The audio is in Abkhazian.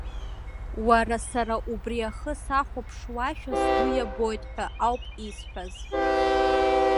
Уара, сара убри ахы сахәаԥшуашәа сгәы иабоит ҳәа ауп исҳәаз.